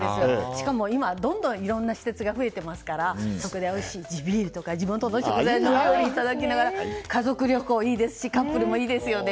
しかも今、どんどんいろんな施設が増えていますからそこでおいしい地ビールとか地元の食材をいただきながら家族旅行、いいですしカップルもいいですよね。